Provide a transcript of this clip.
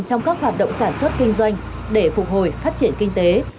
trong các hoạt động sản xuất kinh doanh để phục hồi phát triển kinh tế